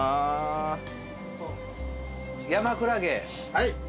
はい。